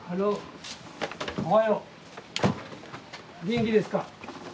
元気ですか？